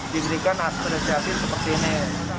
diberikan aspresiasi seperti ini